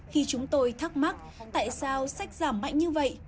khi chúng tôi thắc mắc tại sao sách giảm mạnh như vậy